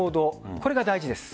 これが大事です。